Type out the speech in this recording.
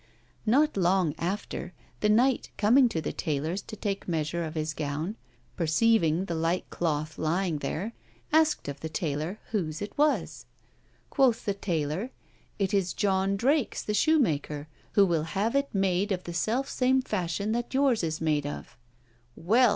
Not long after, the knight coming to the taylor's to take measure of his gown, perceiving the like cloth lying there, asked of the taylor whose it was? Quoth the taylor, it is John Drakes' the shoemaker, who will have it made of the self same fashion that yours is made of! 'Well!'